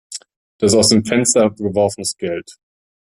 Das ist aus dem Fenster geworfenes Geld.